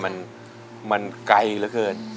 ๓แสนมันไกลเยอะมาก